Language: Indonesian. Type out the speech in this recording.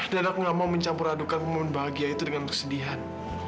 dan aku gak mau mencampur adukan momen bahagia itu dengan kesedihan